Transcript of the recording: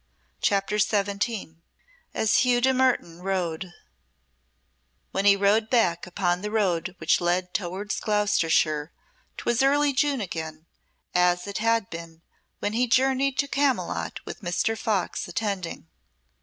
CHAPTER XVII As Hugh de Mertoun Rode When he rode back upon the road which led towards Gloucestershire, 'twas early June again, as it had been when he journeyed to Camylott with Mr. Fox attending.